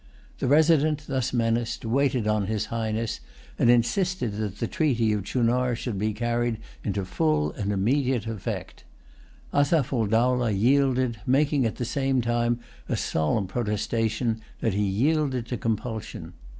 The resident, thus menaced, waited on His Highness and insisted that the treaty of Chunar should be carried into full and immediate effect. Asaph ul Dowlah yielded, making at the same time a solemn protestation that he yielded to compulsion.